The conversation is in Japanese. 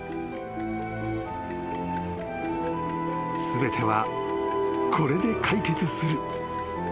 ［全てはこれで解決する］